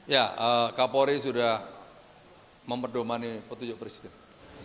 ya kapolri sudah memperdomani petunjuk presiden